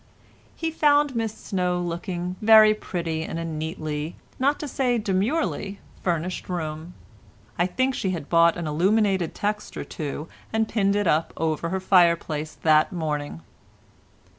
He found Miss Snow looking very pretty in a neatly, not to say demurely, furnished room. I think she had bought an illuminated text or two, and pinned it up over her fireplace that morning.